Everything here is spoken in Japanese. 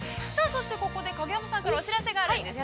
そしてここで影山さんからお知らせがあるんですよね。